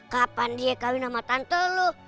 kapan dia kahwin sama tante lo